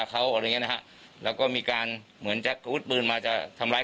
ก็คือมีพฤติกรรมเหมือนจะต่อสู้กัน